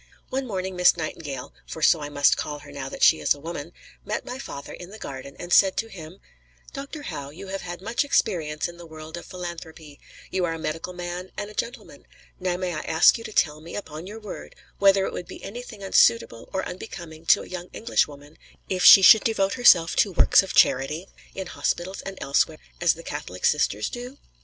One morning Miss Nightingale (for so I must call her now that she is a woman) met my father in the garden and said to him: "Dr. Howe, you have had much experience in the world of philanthropy; you are a medical man and a gentleman; now may I ask you to tell me, upon your word, whether it would be anything unsuitable or unbecoming to a young Englishwoman, if she should devote herself to works of charity, in hospitals and elsewhere, as the Catholic Sisters do?"